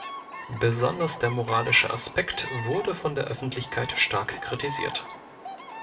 Besonders der moralische Aspekt wurde von der Öffentlichkeit stark kritisiert.